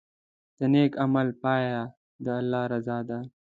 د نیک عمل پایله د الله رضا ده.